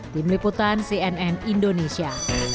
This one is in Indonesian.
di meliputan cnn indonesia